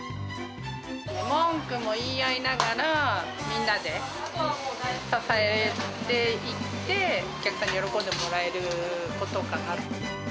文句も言い合いながら、みんなで支えていって、お客さんに喜んでもらえることかな。